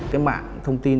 cái mạng thông tin